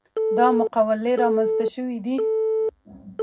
دا مقولې رامنځته شوي دي.